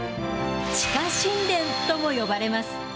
地下神殿とも呼ばれます。